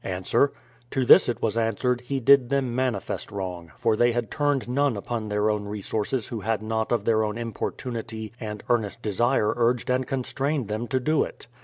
Ans : To this it was answered, he did them manifest wrong, for they had turned none upon their own resources who had not of their own importunity and earnest desire urged and constrained them to do it.